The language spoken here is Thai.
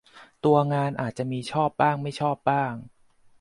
ตัวงานอาจจะมีชอบบ้างไม่ชอบบ้าง